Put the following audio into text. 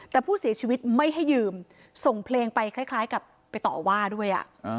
แต่ผู้เสียชีวิตไม่ให้ยืมส่งเพลงไปคล้ายกับไปต่อว่าด้วย